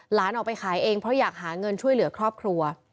หลานออกไปขายเองเพราะอยากหาเงินช่วยเหลือครอบครัว